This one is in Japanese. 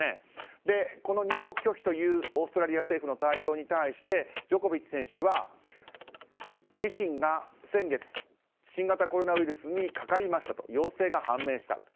この入国拒否というオーストラリア政府の対応に対してジョコビッチ選手は自身が先月新型コロナウイルスにかかりましたと陽性が判明した。